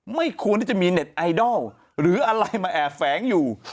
ไม่ควรที่จะมีเน็ตไอดอลหรืออะไรมาแอบแฝงอยู่